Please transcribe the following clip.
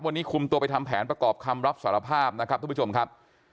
วันนี้คุมตัวไปทำแผนประกอบคำรับสารภาพนะครับทุกผู้ชมครับ